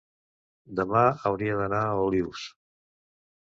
demà hauria d'anar a Olius.